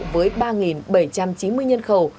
với ba bảy trăm chín mươi nhân khẩu